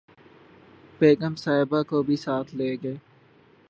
بیگم صاحبہ کو بھی ساتھ لے گئے